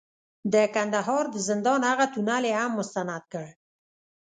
د کندهار د زندان هغه تونل یې هم مستند کړ،